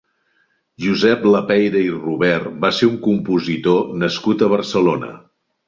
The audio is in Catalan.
Josep Lapeyra i Rubert va ser un compositor nascut a Barcelona.